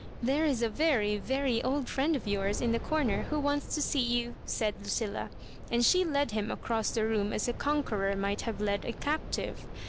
" There is a very, very old friend of yours in the comer who wants to see you," said Lucilla; and she led him across the room as a conqueror might have led a captive.